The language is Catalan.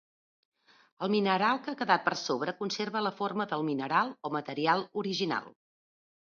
El mineral que ha quedat per sobre conserva la forma del mineral o material original.